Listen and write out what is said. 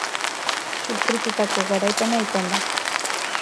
Sufritutako garaipena izan da.